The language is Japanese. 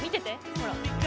ほら。